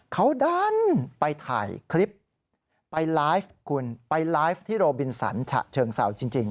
เขาดันไปถ่ายคลิปไปไลฟ์คุณไปไลฟ์ที่โรบินสันฉะเชิงเศร้าจริง